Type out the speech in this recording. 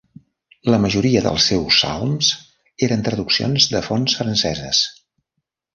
La majoria dels seus salms eren traduccions de fonts franceses.